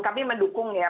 kami mendukung ya